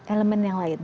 elemen yang lain